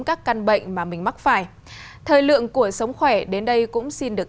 các căn bệnh mà mình mắc phải